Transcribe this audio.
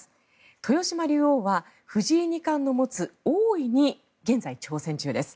豊島竜王は藤井二冠の持つ王位に現在、挑戦中です。